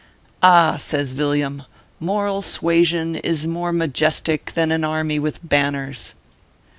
"Ah !" says Villiam, "moral suasion is more majestik than an army with banners."